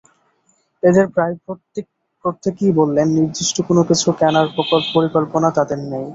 এঁদের প্রায় প্রত্যেকেই বললেন, নির্দিষ্ট কোনো কিছু কেনার পরিকল্পনা তাঁদের নেই।